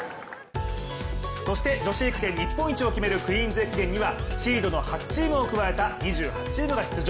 女子駅伝日本一を決めるクイーンズ駅伝にはシードの８チームを加えた２８チームが出場。